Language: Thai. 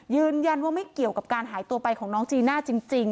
ยืนยันว่าไม่เกี่ยวกับการหายตัวไปของน้องจีน่าจริง